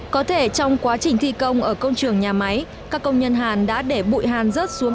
có thể trong quá trình thi công ở công trường nhà máy các công nhân hàn đã để bụi hàn rớt xuống